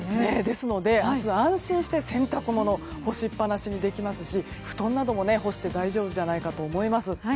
ですので、明日は安心して洗濯物を干しっぱなしにできますし布団なども干して大丈夫じゃないかと思います。